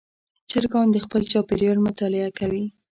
چرګان د خپل چاپېریال مطالعه کوي.